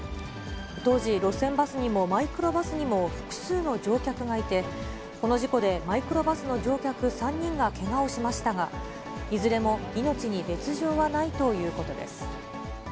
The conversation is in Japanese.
当時、路線バスにもマイクロバスにも複数の乗客がいて、この事故で、マイクロバスの乗客３人がけがをしましたが、いずれも命に別状はないということです。